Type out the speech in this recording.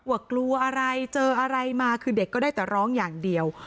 ว่ากลัวอะไรเจออะไรมาคือเด็กก็ได้แต่ร้องอย่างเดียว